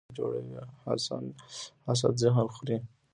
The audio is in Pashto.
حسد ذهن خوري